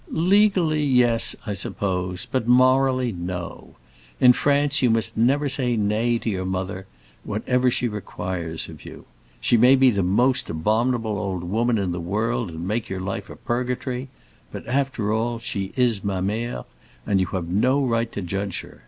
"Legally, yes, I suppose; but morally, no. In France you must never say nay to your mother, whatever she requires of you. She may be the most abominable old woman in the world, and make your life a purgatory; but, after all, she is ma mère, and you have no right to judge her.